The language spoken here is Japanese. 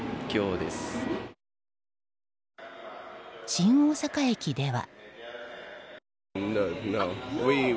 新大阪駅では。